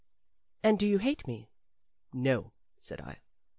"And do you hate me?" "No," said I.